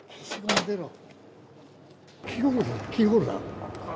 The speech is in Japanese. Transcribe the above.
キーホルダー。